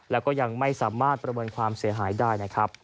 และก็ยังไม่สามารถประเมินความเสียหายได้